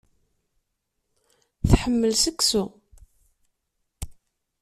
Tḥemmel seksu.